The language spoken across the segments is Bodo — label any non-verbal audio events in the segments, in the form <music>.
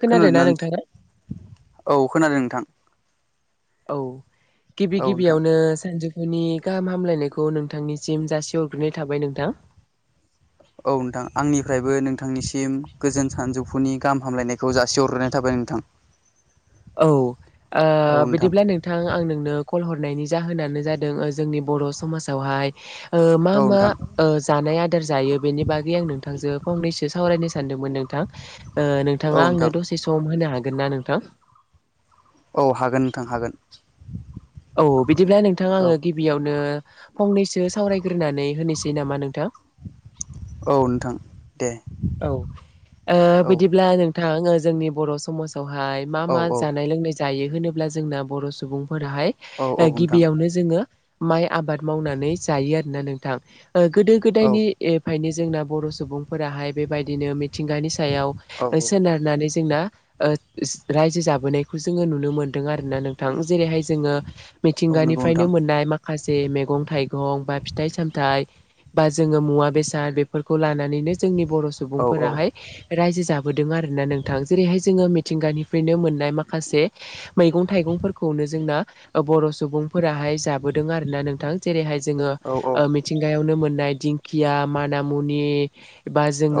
खोनादोंना खोनादोना नोंथां नोंथाङा औ खोनादों नोंथां औ गिबि औ नोंथां गिबियावनो सानजु नि गाहाम हामलायनायखौ नोंथांनिसिम जासिहरग्रोनाय थाबाय नोंथां औ नोंथां आंनिफ्रायबो नोंथांनिसिम गोजोन सानजौफुनि गाहाम हामलायनायखौ जासिहरग्रोनाय थाबाय नोंथां औ ओ बिदिब्ला नोंथां आं नोंनो कल हरनायनि जाहोनानो जादों जोंनि बर' समाजावहाय ओ मा औ मा नोंथां ओ जानाय आदार जायो बेनि बागै आं नोंथांजो फंनैसो सावरायनो सानदोंमोन नोंथां ओ औ नोंथाङा नोंथां आंनो दसे सम होनो हा गोनना नोंथां? औ हागोन नोंथां हागोन औ बिदिब्ला नोंथां औ आङो गिबियावनो फंनैसो सावरायग्रोनानै होनिसै नामा नोंथां औ नोंथां दे औ ओ औ बिदिब्ला नोंथां जोंनि बर' समाज खौहाय मा औ मा औ जानाय लोंनाय जायो होनोब्ला जोंना बर' सुबुं औ औ फोराहाय नोंथां गिबियावनो जोङो माइ आबाद मावनानै जायो आरोना नोंथां गोदो औ गोदायनिफ्रायनो जोंना बर' सुबुंफोराहाय बेबायदिनो मिथिंगानि सायाव औ औ सोनारनानै जोंना ओ रायजो जाबोनायखौ जोङो नुनो मोन दों आरोना नोंथां जेरैहाय जोङो औ नंगौ मिथिंगानिफ्रायनो नोंथां मोननाय माखासे मैगं-थाइगं बा फिथाइ-सामथाइ बा जोङो मुवा-बेसाद बेफोरखौ लानानैनो जोंनि बर' औ सुबुंफोराहाय रायजो जाबोदों आरोना नोंथां जेरैहाय जोङो मि थिंगानिफ्रायनो मोननाय माखासे मैगं-थाइगंफोरखौनो जोंना बर' सुबुंफोराहाय जाबोदों आरो ना नोंथां जेरैहाय जोङो औ ओ मिथिंगायावनो मोननाय दिंखिया मानामुनि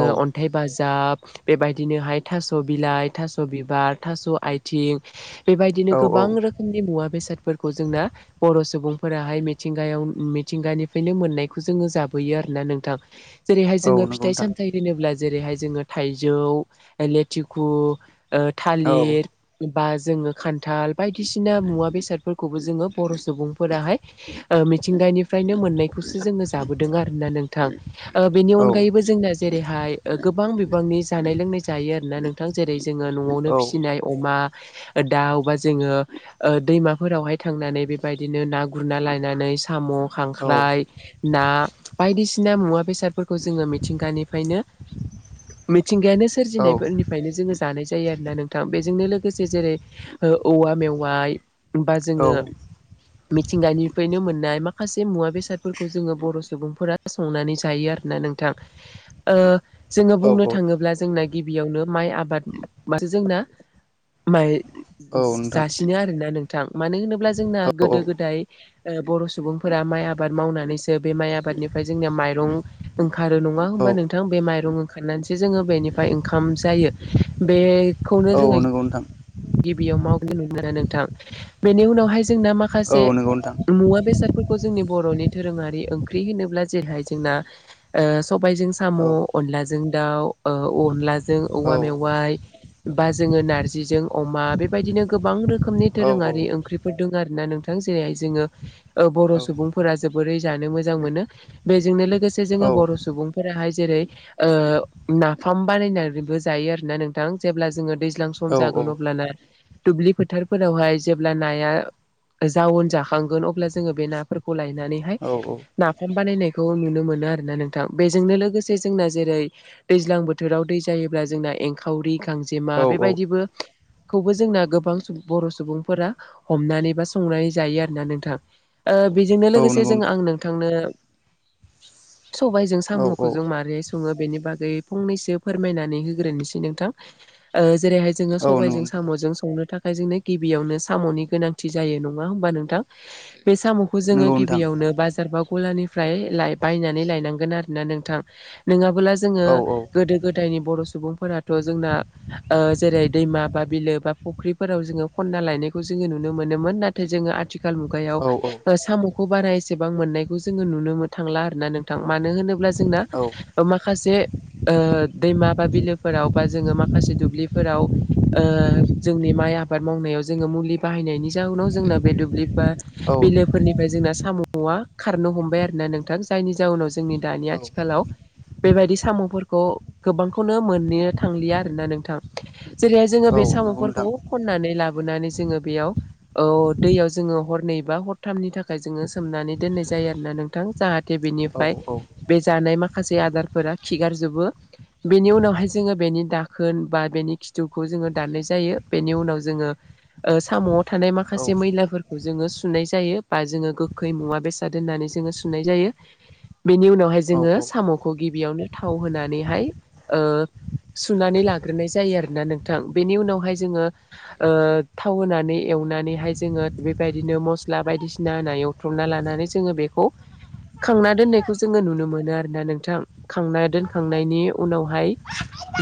औ अन्थाइ बाज जाब बेबायदिनोहाय थास' बिलाइ थास' बिबार थास' आथिं बेबायदिनो औ गोबां रोखोमनि मुवा बेसाद फोरखौ जोंना बर' सुबुंफोराहाय मिथिंगायाव मिथिंगानिफ्रायनो मोननायखौ जोंङो जाबोयो आरो ना नोंथां जेरैहाय औ जोंङो नंगौ फिथाइ नोंथां साम होनोब्ला जेरैहाय जोंङो थाइजौ लेथिखु औ थालिर बा जोङो खान्थाल बायदिसिना मुवा बेसादफोरखौबो जोंङो बर' सुबुंफोराहाय ओ मि मिथिंगानिफ्रायनो मोननायखौसो जोंङो जाबोदों आरोना नोंथां ओ बेनि औ अनगायैबो जोंना जेरैहाय गोबां बिबांनि जानाय लोंनाय जायो आरोना नोंथां जेरै जोङो न'आवनो औ फिसिनाय अमा दा अबेबा जोंङो दैमाफोरावहाय थांनानै बेबायदिनो ना गुरना लानानै साम' औ खांख्राइ ना बायदिसिना मुवा बेसादफोरखौ जोंङो मिथिंगानि फायनो मिथिंगायानो सोरजिनायफोरनिफ्रायनो जोंङो जानाय जायो आरोना नोंथां बेजोंनो लोगोसे जेरै औवा मेवाइ बा जोंङो औ मिथिंगानिफ्रायनो मोननाय माखासे मुवा बेसादफोरखौ जोंङो बर' सुबुंफोरा संनानै जायो आरोना नोंथां ओ जोङो बुंनो थाङोब्ला जोंना गिबियावनो माइ आबाद माथो जोंना माइ नोंथां जासिनो आरोना नोंथां मानो होनोब्ला जोंना औ औ गोदो गोदाय ओ बर' सुबुंफोरा माइ आबाद मावनानैसो बे माइ आबादनिफ्राय जोंनिया माइरं ओंखारो नङा औ होमबा नोंथां बे माइरं ओंखारनानैसो जोंङो बेनिफ्राय ओंखाम जायो बे औ नंगौ नोंथां गिबियाव <unintelligible> नोंथां बेनि उनावहाय जोंना औ माखासे नंगौ नोंथां मुवा बेसाद जोंनि बर'नि दोरोंङारि ओंख्रि होनोब्ला जेरैहाय जोंना ओ सबायजों औ साम' अनलाजों दाउ ओ अनलाजों औवा मेवाइ बा जोंङो नारजि अमा बेबायदिनो गोबां रोखोमनि दोरोङारि ओंख्रिफोर दं आरो ना नोंथां जेरैहाय जोंङो ओ बर' सुबुंफोरा जोबोरै जानो मोजां मोनो बेजोंनो लोगोसे जोंङो बर' सुबुंफोराहाय जेरै नाफाम बानायनानैबो जायो आरोना नोंथां जेब्ला जोंङो दैज्लां सम जागोन <unintelligible> दुब्लि फोथारफोरावहाय जेब्ला नाया जाउन जाखांगोन अब्ला जोंङो बे नाफोरखौ लायनानैहाय नाफाम बानायनाय बेखौ नुनो मोनो आरोना नोंथां बेजोंनो लोगोसे जोंना जेरै दैज्लां बोथोराव दै जायोब्ला जोंना एंखावरि गांजेमा औ बेबायदिबो खौबो जोंना गोबां बर' सुबुंफोरा हमनानै बा संनानै जायो आरोना नोंथां ओ बेजोंनो औ लोगोसे नंगौ जों नोंथां आं नोंथांनो सबायजों औ औ साम'खौ जों मारै सुङो बेनि बागै फंनैसो फोरमायनानै होग्रोनोसै नोंथां ओ जेरैहाय जोङो औ नंगौ सबायजों नोंथां साम'जों संनो थाखाय जोंनो गिबियावनो साम'नि गोनांथि जायो नङा होमबा नोंथां बे साम'खौ जोंङो नंगौ नोंथां गिबियावनो बाजार बा गलानिफ्राय बायनानै लायनांगोन आरोना नोंथां नोङा ब्ला जोंङो औ गोदो गोदायनि बर' सुबुंफोराथ' जोंना ओ जेरै फख्रिफोराव जोंङो खना लायनायखौ जोंङो नुनो मोनोमोन नाथाय जोंङो आथिखाल मुगायाव औ ओ साम' खौ बारा एसेबां मोननायखौ जोंङो नुनो थांला आरो ना नोंथां मानो होनोब्ला जोंना औ माखासे ओ दैमा बा बिलोफोराव बा जोंङो माखासे दुब्लिफोराव ओ जोंनि माइ आबाद मावनायाव जोङो मुलि बाहायनायनि जाउनाव जोंना बे दुब्लि ओ बिलोफोरनिफ्राय जोंना साम'आ खारनो हमबाय आरोना नोंथां जायनि जाउना जोंनि दानि औ आथिखालाव बेबायदि साम'फोरखौ गोबांखौनो मोननो थांलिया आरो ना नोंथां जेरैहाय जोङो औ बे नंगौ नोंथां साम'फोरखौ खननानै ला बोनानै जोङो बेयाव औ दैयाव जोङो हरनै बा हरथामनि थाखाय जोङो सोमनानै दोननाय जा यो आरोना नोंथां जाहाथे औ बेनिफ्राय बे जानाय माखा माखासे आदारफोरा खिगारजोबो बेनि उनावहाय जोङो बेनि दाखोन बा बेनि खिथुखौ जोङो दाननाय जायो बेनि उनाव जोङो ओ साम'आव थानाय औ माखासे मैलाफोर खौ जोङो सुनाय जायो बा जोङो गोखै मुवा बेसाद दोननानै जोङो सुनाय जायो। बेनि उनावहाय जोङो साम'खौ गिबियावनो थाव होनानैहाय ओ सुनानै लाग्रोनाय जायो आरो ना नोंथां बेनि उनावहाय जोङो ओ थाव होनानै एवनानैहाय जोङो बेबायदिनो मसला बायदिसिना होना एवथ्रमना लानानै जोङो बेखौ खांना दोननायखौ जोङो नुनो मोनो आरो ना नोंथां खांना दोनखांनायनि उनावहाय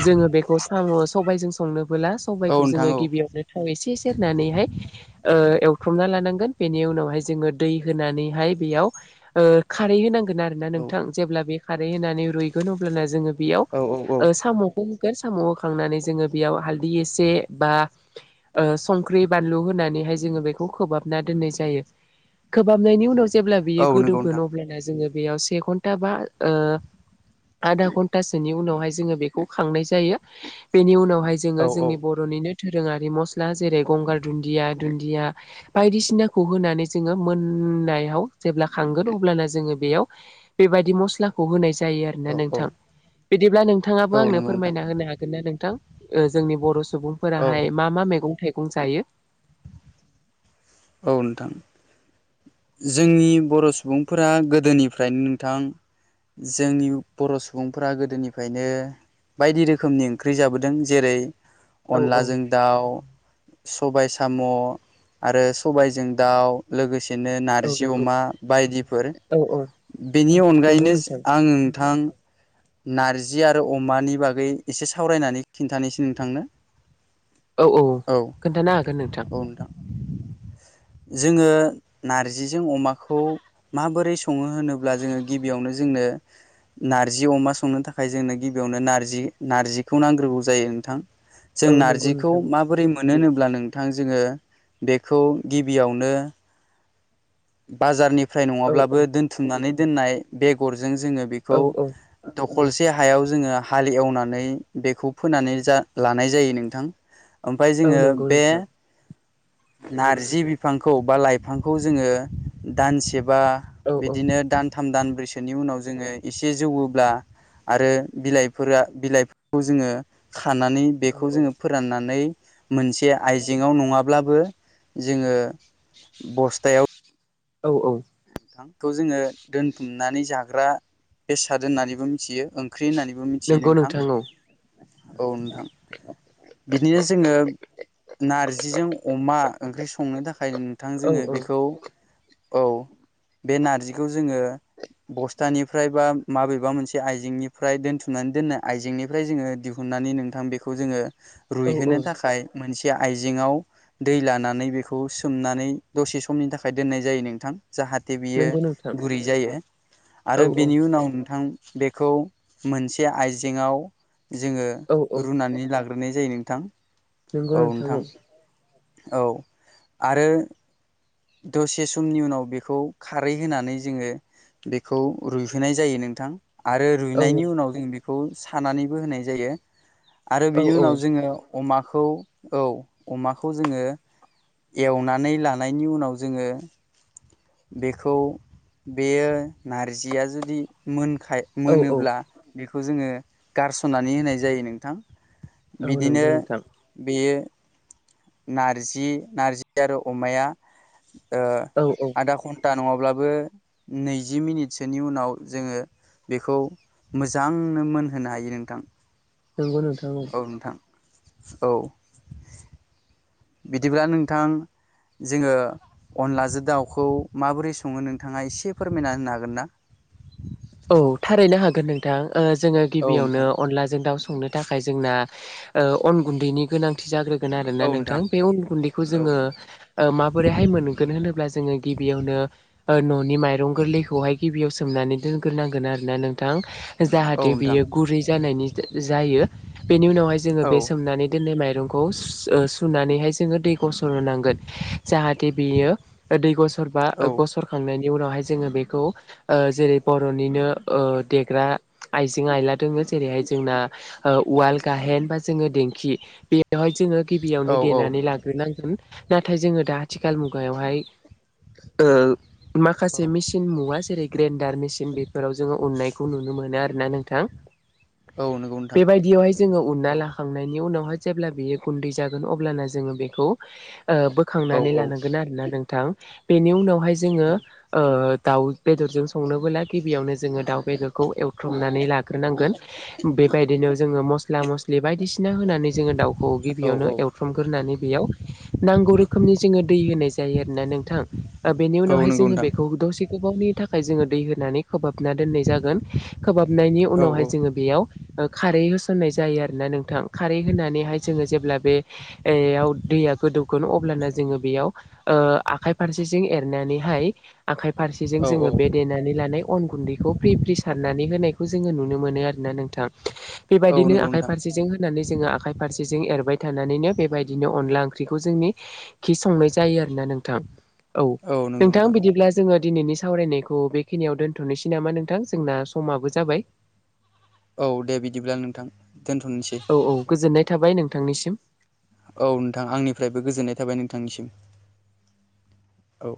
जोङो बेखौ साम' सबायजों संनोबोला औ सबायखौ नोंथां जोङो गिबियावनो थाव एसे सेरनानैहाय ओ एवथ्रमना लानांगोन बेनि उनावहाय जोङो दै होनानैहाय बेयाव ओ खारै होनांगोन आरो ना नोंथां औ जेब्ला बे खारै होनानै रुइगोन अब्लाना जोङो औ बेयाव औ ओ साम'खौ होगोन साम' होखांनानै जोङो बेयाव हालदै एसे बा ओ संख्रि बानलु होनानैहाय जोङो बेखौ खोहाब ना दोननाय जायो खोबहाबनायनि उनाव जेब्ला औ बियो नंगौ गोदौगोन नोंथां अब्ला जोङो बेयाव से घन्टा बा ओ आधा घन्टासोनि उनावहाय जोङो बेखौ खांनाय जायो। बेनि उनावहाय औ जोङो औ जोंनि बर'निनो दोरोङारि मस्ला जेरै गंगार दुन्दिया दुन्दिया बायदिसिनाखौ होनानै जोङो मोन होननायाव जेब्ला खांगोन अब्लाना जोङो बेयाव बेबायदि मस्लाखौ होनाय जायो औ आरोोना औ नोंथां बिदिब्ला नोंथाङाबो औ आंनो नंगौ नोंथां फोरमायना होनो हागोन ना नों थां ओ जोंनि बर' औ सुबुंफोराहाय मा मा मैगं थाइगं जायो। <inaudible> औ नोंथां जोंनि बर' सुबुंफोरा गोदोनिफ्रायनो नोंथां जोंनि बर' सुबुंफोरा गोदोनिफ्रायनो बायदि रोखोमनि ओंख्रि जाबोदों जेरै औ औ अनलाजों दाउ सबाइ साम' आरो सबायजों दाउ लोगोसेनो औ नंगौ जिउमा बायदिफोर औ औ बेनि नंगौ अनगायैनो नोंथां आं नोंथां <inaudible> नारजि आरो अमानि बागै एसे सावरायनानै खिन्थानोसै नोंथांनो औ औ खोन्थानो हागोन नोंथां जोङो नार जिजों अमाखौ माबोरै सङो होनोब्ला जोङो गिबियावनो जोंनो नारजि अमा संनो थाखाय जोंनो गिबियावनो नारजि नारजिखौ नांग्रोगौ जायो नोंथां जों औ नंगौ नारजिखौ नोंथां माबोरै मोनो होनोब्ला नोंथां जोङो बेखौ गिबियावनो बाजारनिफ्राय औ नङाब्लाबो औ दोनथुमनानै दोननाय बेगर जों जोङो बेखौ औ औ दख खरसे हायाव जोङो हाल एवनानै बेखौ फोनानै जा लानाय जायो नोंथां ओमफ्राय औ जोङो नंगौ बे नोंथां नारजि बिफांखौ बा लाइफांखौ जोङो दानसेबा औ बिदिनो दान थाम दानब्रैसोनि उनाव जोङो एसे जौवोब्ला आरो बिलाइफोरा बिलाइफोरखौ जोङो खानानै औ बेखौ औ जोङो फोराननानै मोनसे आइजेेंआव नङाब्लाबो जोङो बस्थायाव औ औ हाथ'खौ <unintelligible> जोङो दोनथुमनानै जाग्रा बेसाद होनोननानैबो मिथियो ओं ख्रि होननानैबो मिथियो नोंथां औ नोंथां बिदिनो जोङो नारजिजों अमा ओंख्रि संनो थाखाय <unintelligible> नोंथां जोङो औ औ बेखौ औ बे नारजिखौ जोङो बस्थानिफ्राय बा माबेबा मोनसे आइजेंनिफ्राय दोन्थुमनानै दोननाय आइजेंनिफ्राय जोङो दिहुन नानै नोंथांखौ जोङो औ रुइ औ होनो‌ थाखाय मोनसे आइजेंआव दै लानानै बेखौ सोमनानै दसे समनि थाखाय दोननाय जायो नोंथां जाहाथे बियो नंगौ नोंथां गुरै जायो औ आरो औ बेनि उनाव नोंथां बेखौ मोनसे आइजेेंआव जोङो औ औ रुनानै लाग्रो नाय जायो नोंथां नंगौ नोंथां औ औ आरो दसे समनि उनाव बेखौ खारै होनानै जोङो बेखौ रुइहोनाय जायो नोंथां आरो औ रुइनायनि उनाव जों बेखौ सानानैबो होनाय जायो आरो बिनि औ उनाव जोङो अमा खौ‌ औ अमाखौ जोङो एवनानै लानायनि उनाव जोङो बेखौ बेयो नारजिया जुदि मोन औ औ मोनोब्ला बेखौ जोङो गारस'नानै होनाय जायो नोंथां औ बिदिनो नंगौ नोंथां बेयो नारजि नारजि आरो अमाया औ औ आधा घन्ट टा नङाब्लाबो नैजि मिनिटसोनि उनाव जोङो बेखौ मोजांनो मोनहोनो हायो नोंथां नोंबो नोंथां औ औ बिदिब्ला नोंथां जोङो अनलाजो दाउखौ माबोरै सङो नोंथाङा एसे फोरमायना होनो हागोन ना औ थारैनो हागोन नोंथां जोङो औ गिबियावनो नोंथां अनलाजों दाउ सं नो थाखाय जोंना ओ अन गुन्दैनि गोनांथि जाग्रो आरोना नोंथां बे अन गुन्दैखौ औ जोङो ओ माबोरैहाय मोनगोन होनोब्ला जोङो गिबियावनो न'नि माइरं गोरलैखौहाय गिबियाव सोमनानै दोनग्रोनांगोन आरो ना नोंथां औ जाहाथे नोंथां बियो गुरै जानायनि जायो बेनि उनावहाय जोङो औ बे सोमनानै दोननाय माइरं खौ सुनानै हाय‌ जोङो दैखौ सरहोनांगोन जाहाथे बियो दै गस बा गसरखांनायनि उनावहाय जोङो बेखौ ओ जेरै बर'निनो ओ देग्रा आइजें आयला दङो जेरैहाय जोंना ओ उवाल गाहेन बा जोङो देंखि बेवहाय जोङो गिबियावनो औ औ देनानै लाग्रोनांगोन नाथाय जोङो दा आथिखाल मुगायावहाय ओ औ माखासे मेसिन मुवा जेरै ग्रेन्डार मेसिन बेफोराव जोङो अननायखौ नुनो मोनो आरो ना नोंथां औ नंगौ नोंथां बेबायदियावहाय जोङो उनना औ लाखांनायनि उनावहाय जेब्ला बेयो गुन्दै जागोन अब्लाना जोङो बेखौ ओ औ बोखांनानै लानांगोन आरोना नों थां बेनि उनावहाय जोङो औ दाउ बेदरजों संनोबोला गिबियावनो जोङो दाउ बेदरखौ एवथ्रमनानै लाग्रोनांगोन बेबायदिनो जोङो मस्ला मस्लि बायदिसिना। सिना होनानै जोङो दाउखौ औ औ गिबियावनो एवफ्रामग्रोनानै बेयाव नांगौ रोखोमनि जोङो दै होनाय जायो आरोना नोंथां ओ बेनि औ उनावहाय नंगौ जोङो नोंथां बेखौ दसे गोबावनि थाखाय जोङो दै होनानै खोबहाबना दोननाय जागोन खोबहाबनायनि औ उनावहाय जोङो बेयाव खारै होसननाय जायो आरो ना नोंथां खारै होनानैहाय जोङो जेब्ला बेयाव दैया गोदौगोन अब्लाना जोङो बेयाव ओ आखाय फारसेजों एरनानै हाय आखाय फारसेजों औ जोङो बे औ देनानै लानाय अन गुन्दैखौ फ्रि फ्रि सारनानै होनायखौ जोङो नुनो मोनो आरो ना नोंथां औ बेबायदिनो नंगौ आखाइ नोंथां फारसेजों होननानै जोङो आखाइ फारसेजों एरबाय थानानैनो बेबायदिनो अनला ओंख्रिखौ जोंनि खि संनाय जायो आरोना नोंथां औ नोंथां बिदिब्ला जोङो दिनैनि सावरायनायखौ बेखिनियाव दोन थ'नोसै नामा नोंथां जोंना समाबो जाबाय औ दे बिदिब्ला नोंथां दोनथ'नोसै औ औ गोजोननाय थाबाय नोंथांनिसिम औ नोंथां आंनिफ्रायबो गोजोननाय थाबाय नोंथांनिसिम औ